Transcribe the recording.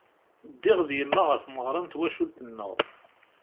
Ddiɣ d yemma ɣer tmeɣra n twacult-nneɣ.